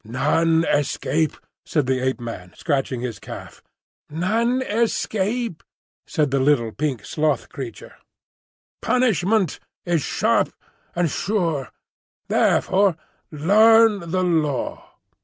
"None escape," said the Ape man, scratching his calf. "None escape," said the little pink sloth creature. "Punishment is sharp and sure. Therefore learn the Law.